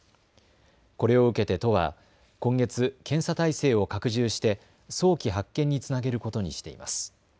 これを受けて都は今月、検査態勢を拡充して早期発見につなげることにしています。